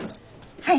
はい！